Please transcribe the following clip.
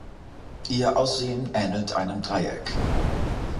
Ihr Aussehen ähnelt einem Dreieck.